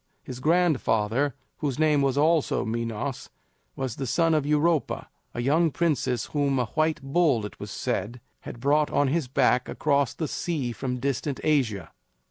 His grandfather, whose name was also Minos, was the son of Europa, a young princess whom a white bull, it was said, had brought on his back across the sea from distant Asia.